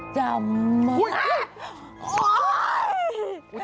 จะเม้ย